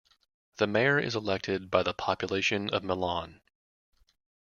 The Mayor is elected by the population of Milan.